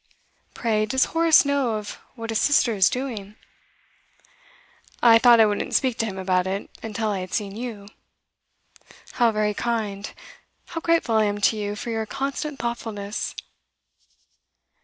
Pray, does Horace know of what his sister is doing?' 'I thought I wouldn't speak to him about it until I had seen you.' 'How very kind! How grateful I am to you for your constant thoughtfulness!